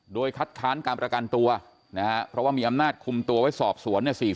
โดยคัดค้านการประกันตัวนะฮะเพราะว่ามีอำนาจคุมตัวไว้สอบสวนเนี่ย